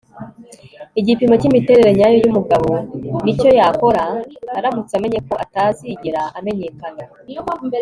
igipimo cyimiterere nyayo yumugabo nicyo yakora aramutse amenye ko atazigera amenyekana